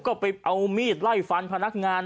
ก็ไปเอามีดไล่ฟันพนักงาน